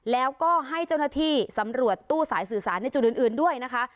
แล้วก็ให้เจ้าหน้าที่สำรวจตู้สายสื่อสารในจุดอื่นด้วยนะคะ